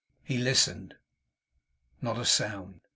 He listened. Not a sound.